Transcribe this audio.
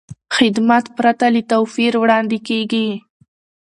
خدمت پرته له توپیر وړاندې کېږي.